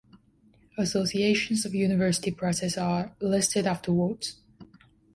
Associations of university presses are listed afterwards.